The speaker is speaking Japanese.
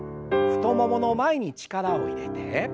太ももの前に力を入れて。